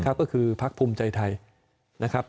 ก็คือพักภูมิใจไทยนะครับ